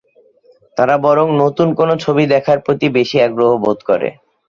তারা বরং নতুন কোনো ছবি দেখার প্রতি বেশি আগ্রহ বোধ করে।